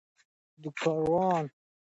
دې کاروان کي به دي پلونه وای تڼاکي